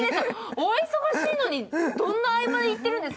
お忙しいのにどんな合間に行ってるんですか。